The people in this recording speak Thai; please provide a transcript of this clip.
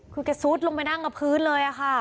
คือแกซุดลงไปนั่งกับพื้นเลยค่ะ